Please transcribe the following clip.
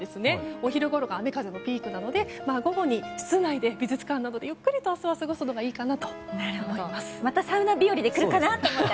お昼ごろが雨風のピークなので午後は美術館などでゆっくりまたサウナ日和で来るかなと思って。